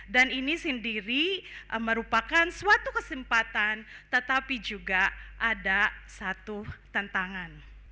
dan ini sendiri merupakan suatu kesempatan tetapi juga ada satu tantangan